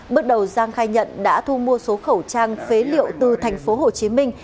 bước đầu giang khai nhận đã thu mua số khẩu trang phế liệu từ thành phố hồ chí minh